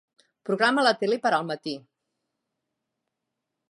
Programa la tele per al matí.